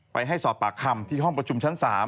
ไปให้สอบปากคำที่ห้องประชุมชั้น๓